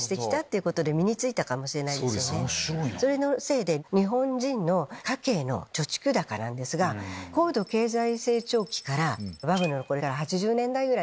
そのせいで日本人の家計の貯蓄高なんですが高度経済成長期からバブルの頃８０年代ぐらいですが。